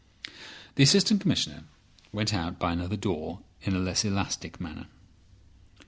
The Assistant Commissioner went out by another door in a less elastic manner.